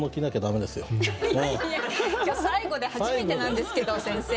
今日最後で初めてなんですけど先生。